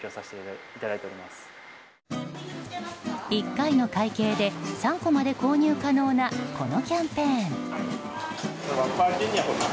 １回の会計で３個まで購入可能なこのキャンペーン。